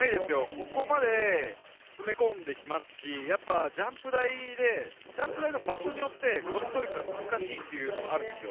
ここまで詰め込んできますし、ジャンプ台で、場所によってこのトリックは難しいというのがあるんです。